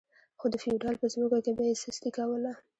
خو د فیوډال په ځمکو کې به یې سستي کوله.